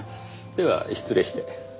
では失礼して。